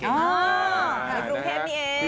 อ๋อใครรู้เพศนี้เอง